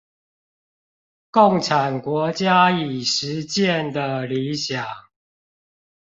共產國家已實踐的理想